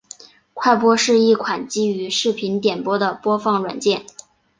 快播是一款基于视频点播的播放软件。